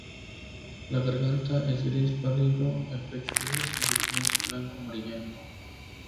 La garganta es gris pálido, el pecho gris y el vientre blanco amarillento.